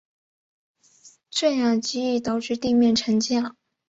这样极易导致地面沉降。